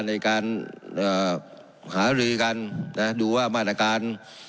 ในการหารือกันนะดูว่ามาตรการ